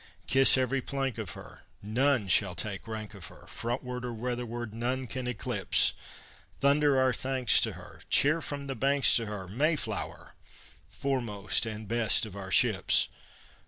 Kiss every plank of her! None shall take rank of her; Frontward or weatherward, none can eclipse. Thunder our thanks to her! Cheer from the banks to her! Mayflower! Foremost and best of our ships!